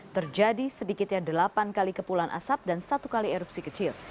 terjadi sedikitnya delapan kali kepulan asap dan satu kali erupsi kecil